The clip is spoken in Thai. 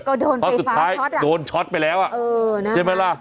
ก็โดนไฟฟ้าช็อตล่ะเออนะครับเห็นไหมล่ะเพราะสุดท้ายโดนช็อตไปแล้ว